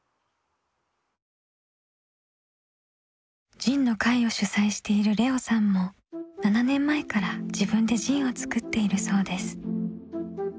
ｚｉｎｅの会を主催している麗生さんも７年前から自分で「ＺＩＮＥ」をつくっているそうです。